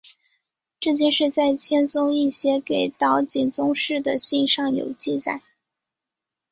这件事在千宗易写给岛井宗室的信上有记载。